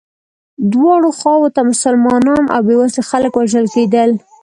دواړو خواوو ته مسلمانان او بیوزلي خلک وژل کېدل.